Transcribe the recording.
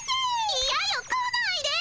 いやよ来ないで。